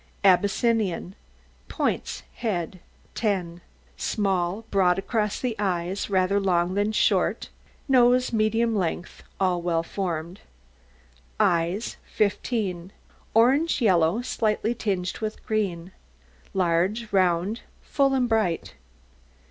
ABYSSINIAN. POINTS HEAD 10 Small, broad across the eyes, rather long than short, nose medium length, all well formed. EYES 15 Orange yellow, slightly tinged with green, large, round, full, and bright.